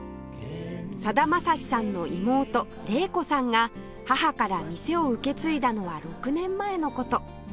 さだまさしさんの妹玲子さんが母から店を受け継いだのは６年前の事